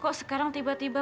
kok sekarang tiba tiba